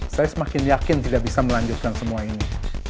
saya semakin yakin tidak bisa melanjutkan semua ini